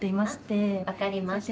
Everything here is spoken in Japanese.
分かりました。